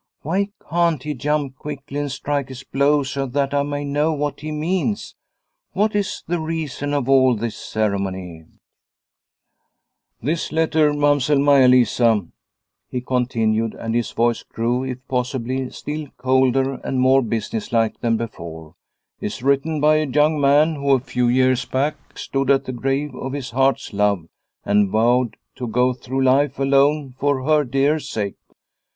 " Why can't he jump quickly and strike his blow so that I may know what he means? What is the reason of all this cere mony ?''" This letter, Mamsell Maia Lisa," he con tinued, and his voice grew, if possible, still colder and more business like than before, " is written by a young man who a few years back stood at the grave of his heart's love and vowed to go through life alone for her dear sake.